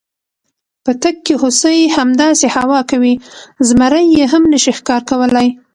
په تګ کې هوسۍ، همداسې هوا کوي، زمري یې هم نشي ښکار کولی.